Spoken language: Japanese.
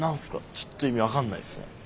ちょっと意味分かんないっすね。